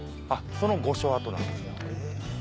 その御所跡なんですね。